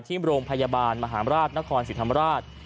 ที่โรงพยาบาลมหาลาศนครสิทธิ์ธรรมราช